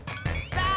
さあ！